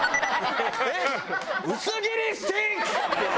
「薄切りステーキ！」。